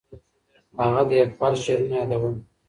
هغه د اقبال شعرونه یادول.